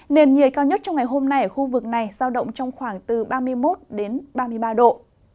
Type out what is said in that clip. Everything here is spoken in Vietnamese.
nền nhiệt cao nhất trong ngày hôm nay ở khu vực này giao động trong khoảng từ ba mươi một đến ba mươi ba độ